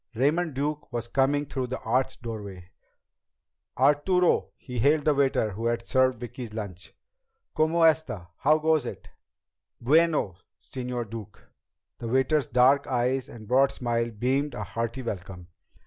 Raymond Duke was coming through the arched doorway. "Arturo!" he hailed the waiter who had served Vicki's lunch. "Cómo está? How goes it?" "Bueno, Señor Duke!" The waiter's dark eyes and broad smile beamed a hearty welcome.